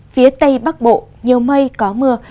phía tây bắc bộ nhiều mây có mưa